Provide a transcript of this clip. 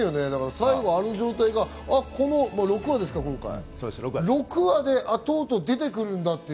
最後ああいう状態が今回６話ですか、６話でとうとう出てくるんだっていう。